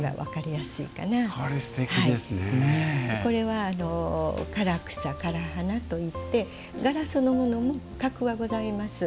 これは、唐草、唐花といって柄そのものに格はございます。